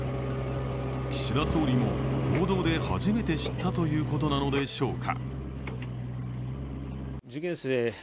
岸田総理も報道で初めて知ったということなのでしょうか。